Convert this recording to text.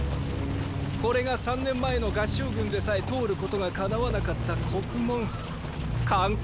これが三年前の合従軍でさえ通ることがかなわなかった国門函谷関！！